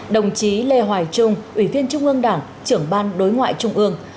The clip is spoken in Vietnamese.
đồng chí lê hoài trung ủy viên trung ương đảng trưởng ban đối ngoại trung ương